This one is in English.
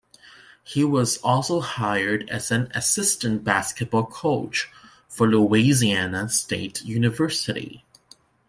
He was also hired as an assistant basketball coach for Louisiana State University.